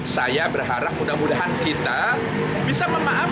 saya berharap mudah mudahan kita bisa memaafkan